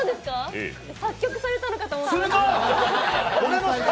作曲されたのかと思った。